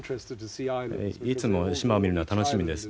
いつも島を見るのが楽しみです。